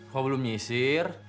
kok belum nyisir